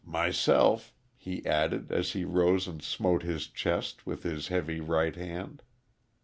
"Myself," he added, as he rose and smote his chest with his heavy right hand.